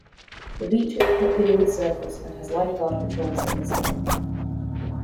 The beach is popular with surfers and has lifeguard patrols in the summer.